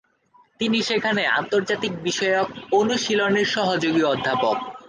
তিনি সেখানে আন্তর্জাতিক বিষয়ক অনুশীলনের সহযোগী অধ্যাপক।